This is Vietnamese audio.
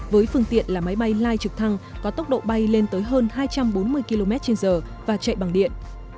với phương tiện là máy bay lai trực thăng có tốc độ bay lên tới hơn hai trăm bốn mươi kmh và chạy bằng điện